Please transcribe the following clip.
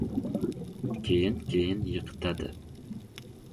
Keyin… keyin… yiqitadi.